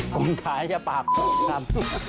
กลุ่มท้ายจะปากครับ